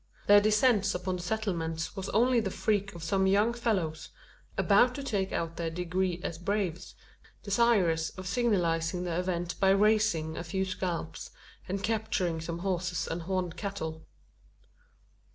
Their descent upon the settlements was only the freak of some young fellows, about to take out their degree as braves, desirous of signalising the event by "raising" a few scalps, and capturing some horses and horned cattle.